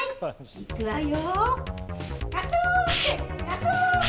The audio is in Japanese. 行くわよ。